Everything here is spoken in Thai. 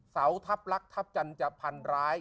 เสาทัพลักษณทัพจันทร์จะพันร้าย